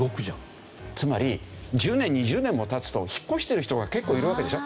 つまり１０年２０年も経つと引っ越してる人が結構いるわけでしょ。